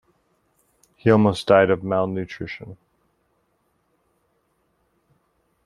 He almost died of malnutrition.